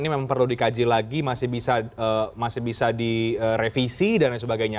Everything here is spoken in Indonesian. ini memang perlu dikaji lagi masih bisa direvisi dan lain sebagainya